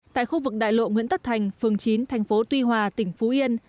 tại khu vực đại lộ nguyễn tất thành phường chín thành phố tuy hòa tỉnh phú yên